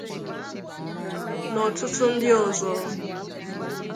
na ọtụtụ ndị ọzọ